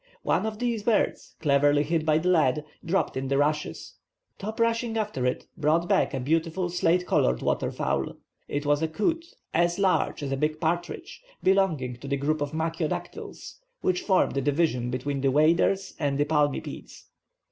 One of these birds, cleverly hit by the lad, dropped in the rushes. Top rushing after it, brought back a beautiful slate colored water fowl. It was a coot, as large as a big partridge, belonging to the group of machio dactyls, which form the division between the waders and the palmipedes.